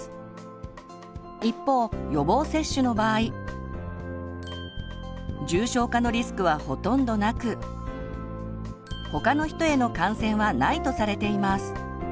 一方予防接種の場合重症化のリスクはほとんどなく他の人への感染はないとされています。